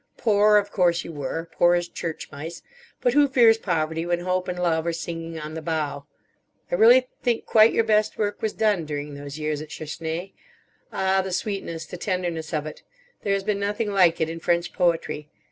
Poor, of course you were; poor as church mice. But who fears poverty when hope and love are singing on the bough! I really think quite your best work was done during those years at Suresnes. Ah, the sweetness, the tenderness of it! There has been nothing like it in French poetry.